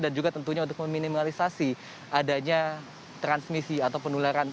dan juga tentunya untuk meminimalisasi adanya transmisi atau penularan